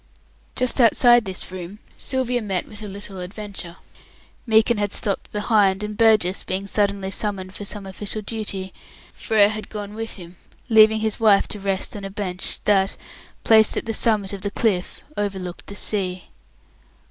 Just outside this room, Sylvia met with a little adventure. Meekin had stopped behind, and Burgess, being suddenly summoned for some official duty, Frere had gone with him, leaving his wife to rest on a bench that, placed at the summit of the cliff, overlooked the sea.